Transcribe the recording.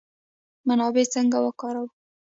منابع څنګه وکاروو؟